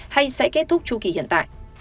hay sẽ kết thúc chú kỳ hiện tại